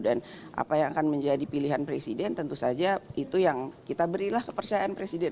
apa yang akan menjadi pilihan presiden tentu saja itu yang kita berilah kepercayaan presiden